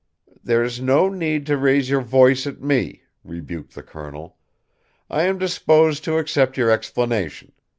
"There is no need to raise your voice at me!" rebuked the colonel. "I am disposed to accept your explanation.